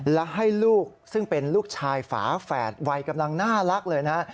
และให้ลูกซึ่งเป็นลูกชายฝาแฝดวัยกำลังน่ารักเลยนะฮะ